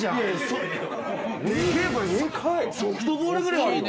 ソフトボールぐらいあるよ。